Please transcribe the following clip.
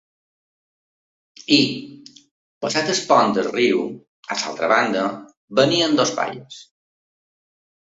I, passat el pont del riu, a l’altra banda, venien dos paios.